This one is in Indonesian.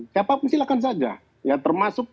siapapun silahkan saja ya termasuk